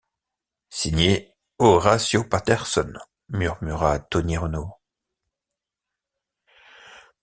Signé: Horatio Patterson », murmura Tony Renault.